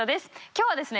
今日はですね